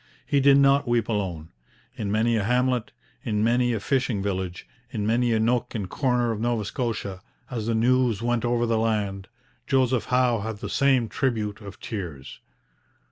He did not weep alone. In many a hamlet, in many a fishing village, in many a nook and corner of Nova Scotia, as the news went over the land, Joseph Howe had the same tribute of tears.